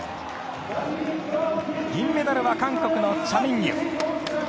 銀メダルは韓国のチャ・ミンギュ。